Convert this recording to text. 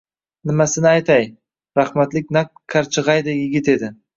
Nimasini aytay, rahmatlik naq qarchigʼaydek yigit edi…